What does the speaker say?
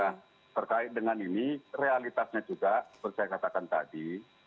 nah terkait dengan ini realitasnya juga seperti saya katakan tadi